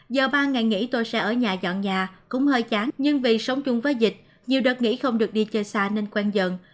giờ ba ngày nghỉ tôi sẽ ở nhà dọn nhà cũng hơi chán nhưng vì sống chung với dịch nhiều đợt nghỉ không được đi chơi xa nên quen dần